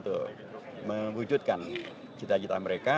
dan memujudkan cita cita mereka